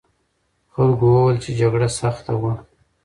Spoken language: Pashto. خلکو وویل چې جګړه سخته وه.